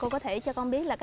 hồi xưa thì như thế nào